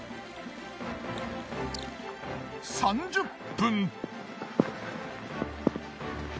３０分。